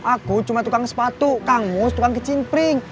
aku cuma tukang sepatu kang mus tukang kecinpring